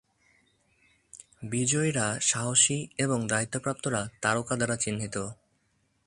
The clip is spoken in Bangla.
বিজয়ীরা সাহসী এবং দায়িত্বপ্রাপ্তরা তারকা দ্বারা চিহ্নিত।